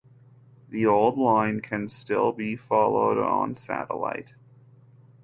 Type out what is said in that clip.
The old line can still be followed on satellite.